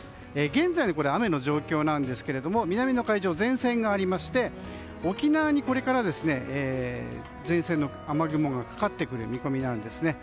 現在の雨の状況ですけども南の海上に前線がありまして沖縄にこれから前線の雨雲がかかってくる見込みなんですね。